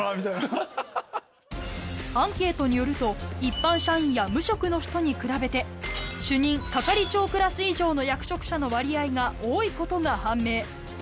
アンケートによると一般社員や無職の人に比べて主任・係長クラス以上の役職者の割合が多いことが判明。